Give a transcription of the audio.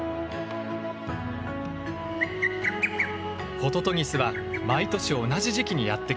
ホトトギスは毎年同じ時期にやって来る。